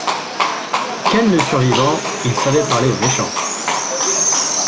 Ken le Survivant il savait parler aux méchants.